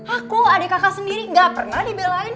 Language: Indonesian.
aku adik kakak sendiri gak pernah dibelain